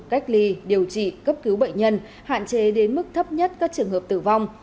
cách ly điều trị cấp cứu bệnh nhân hạn chế đến mức thấp nhất các trường hợp tử vong